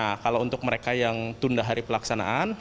nah kalau untuk mereka yang tunda hari pelaksanaan